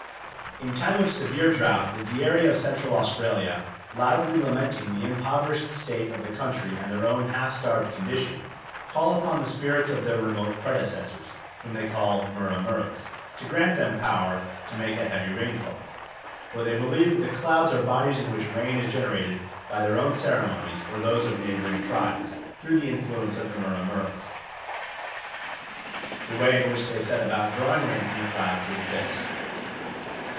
In time of severe drought the Dieri of Central Australia, loudly lamenting the impoverished state of the country and their own half starved condition, call upon the spirits of their remote predecessors, whom they call Mura muras, to grant them power to make a heavy rain fall. For they believe that the clouds are bodies in which rain is generated by their own ceremonies or those of neighbouring tribes, through the influence of the Mura muras. The way in which they set about drawing rain from the clouds is this.